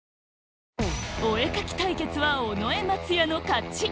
お絵描き対決は尾上松也の勝ち